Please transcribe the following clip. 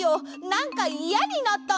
なんかいやになったんだ！